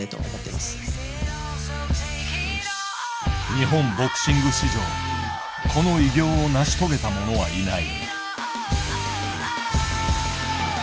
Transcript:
日本ボクシング史上この偉業を成し遂げた者はいない。